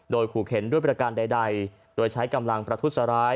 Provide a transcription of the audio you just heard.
โดยขู่เข็นด้วยประการใดโดยใช้กำลังประทุษร้าย